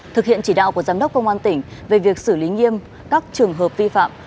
thực hiện chỉ đạo của giám đốc công an tỉnh về việc xử lý nghiêm các trường hợp vi phạm